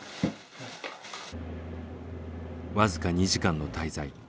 僅か２時間の滞在。